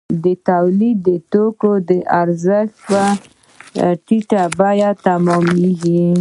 تولید د توکو د ارزښت په ټیټه بیه تمامېږي